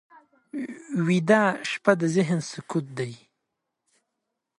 ویده شپه د ذهن سکوت دی